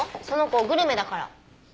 その子グルメだから。